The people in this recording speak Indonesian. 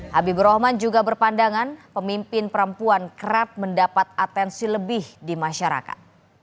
habibur rahman juga berpandangan pemimpin perempuan kerap mendapat atensi lebih di masyarakat